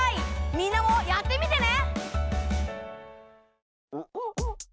みんなもやってみてね！